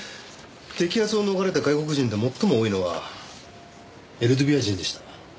摘発を逃れた外国人で最も多いのはエルドビア人でした。